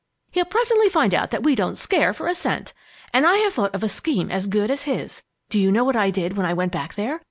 He'll presently find out that we don't scare for a cent! And I have thought of a scheme as good as his! Do you know what I did when I went back there?